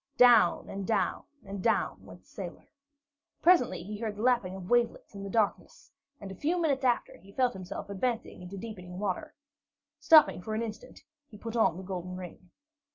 Down and down and down went the sailor. Presently he heard the lapping of wavelets in the darkness, and a few minutes after, he felt himself advancing into deepening water. Stopping for an instant, he put on the golden ring.